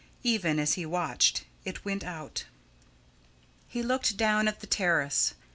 Even as he watched, it went out. He looked down at the terrace.